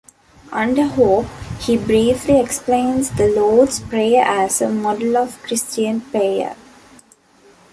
Under Hope, he briefly explains the Lord's Prayer as a model of Christian prayer.